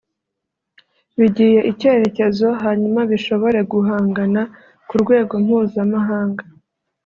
bigiye icyerekezo hanyuma bishobore guhangana ku rwego mpuzamahanga”